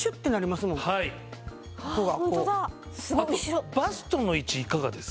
あとバストの位置いかがですか？